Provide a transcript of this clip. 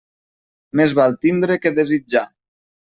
Més val tindre que desitjar.